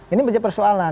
ini menjadi persoalan